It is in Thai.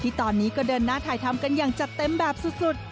ตอนนี้ก็เดินหน้าถ่ายทำกันอย่างจัดเต็มแบบสุด